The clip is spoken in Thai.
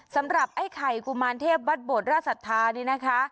สำหรับไอ้ไข่กุมารเทพบัตรบทราชศาสตร์เนี่ยนะคะ